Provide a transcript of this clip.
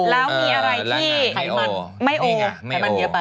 แล้วมีอะไรที่ไม่โอ